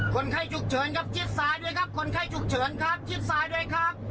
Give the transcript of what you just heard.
คนไข้ฉุกเฉินครับจิ๊ดซ้ายด้วยครับแสงเลยแสงซ้ายเลยครับแสงซ้ายเลยแสงซ้ายเลย